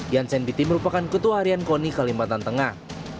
yansen binti merupakan ketua harian koni kalimantan tengah